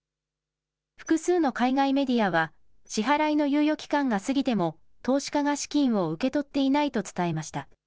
複数の海外メディアは支払いの猶予期間が過ぎても投資家が資金を受け取っていないと伝えました。